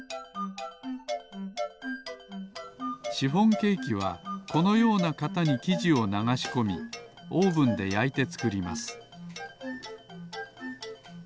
シフォンケーキはこのようなかたにきじをながしこみオーブンでやいてつくります